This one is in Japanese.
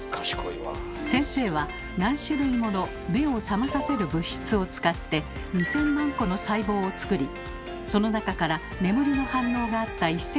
先生は何種類もの目を覚まさせる物質を使って２，０００万個の細胞を作りその中から眠りの反応があった１，０００個を分析。